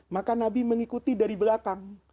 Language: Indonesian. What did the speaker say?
maka nabi mengikuti dari belakang